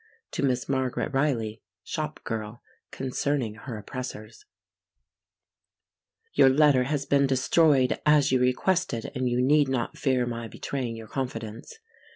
To Miss Margaret Riley Shop Girl, Concerning Her Oppressors Your letter has been destroyed, as you requested, and you need not fear my betraying your confidence.